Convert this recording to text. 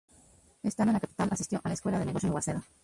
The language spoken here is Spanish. Estando en la capital, asistió a la Escuela de negocios Waseda.